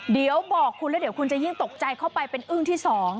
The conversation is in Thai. เดี๋ยวบอกคุณแล้วเดี๋ยวคุณจะยิ่งตกใจเข้าไปเป็นอึ้งที่๒